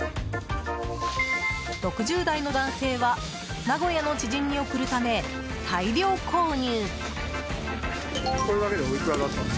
６０代の男性は名古屋の知人に送るため大量購入。